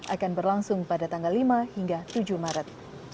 akan berlangsung pada tanggal lima hingga tujuh maret